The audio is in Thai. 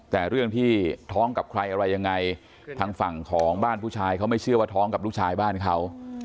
แต่เรื่องที่ท้องกับใครอะไรยังไงทางฝั่งของบ้านผู้ชายเขาไม่เชื่อว่าท้องกับลูกชายบ้านเขา